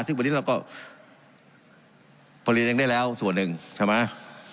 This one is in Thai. ซึ่งวันนี้เราก็ผลิตเองได้แล้วส่วนหนึ่งใช่ไหม